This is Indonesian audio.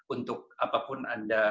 untuk apapun anda